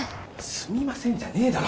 すみませんじゃねえだろ。